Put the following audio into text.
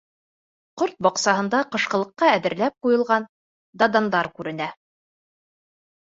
Ҡорт баҡсаһында ҡышҡылыҡҡа әҙерләп ҡуйылған дадандар күренә.